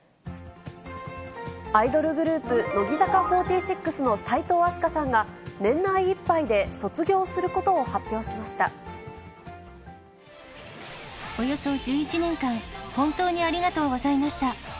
アイドルグループ、乃木坂４６の齋藤飛鳥さんが、年内いっぱいで卒業することを発およそ１１年間、本当にありがとうございました。